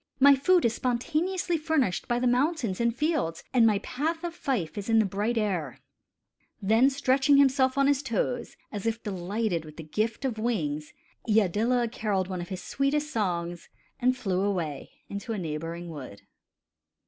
My food is spontaneously furnished by the mountains and fields, and my path of fife is in the bright air." Then stretching himself on his toes, as if delighted with the gift of wings, Iadilla carolled one of his sweetest songs and flew away into a neighboring wood.